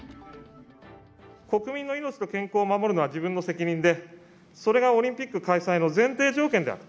国民の命と健康を守るのは自分の責任で、それがオリンピック開催の前提条件である。